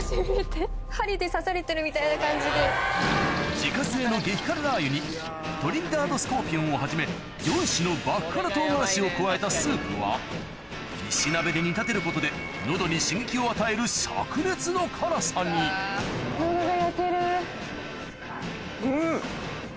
自家製の激辛ラー油にトリニダード・スコーピオンをはじめを加えたスープは石鍋で煮立てることで喉に刺激を与える灼熱の辛さにうん！